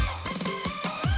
sampai jumpa lagi